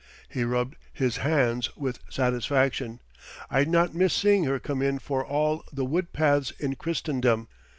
He rubbed his hands with satisfaction "I'd not miss seeing her come in for all the wood paths in Christendom."